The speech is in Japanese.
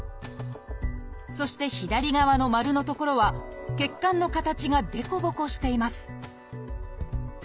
そして左側の丸の所は血管の形が凸凹しています